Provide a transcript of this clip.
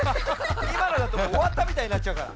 いまのだともうおわったみたいになっちゃうから。